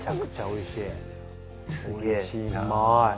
おいしいな。